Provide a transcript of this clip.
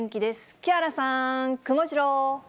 木原さん、くもジロー。